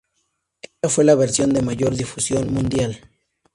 Esta fue la versión de mayor difusión mundial.